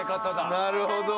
なるほど。